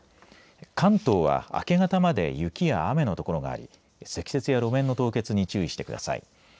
関東は明け方まで雪や雨の所があり積雪や路面の凍結に注意してください。